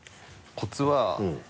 コツは。